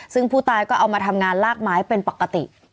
ซึ่งผู้ตายก็เอามาทำงานลากไม้เป็นปกติ